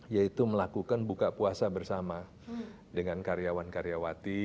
yaitu melakukan buka puasa bersama dengan karyawan karyawati